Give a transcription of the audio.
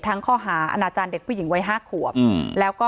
ข้อหาอาณาจารย์เด็กผู้หญิงวัยห้าขวบอืมแล้วก็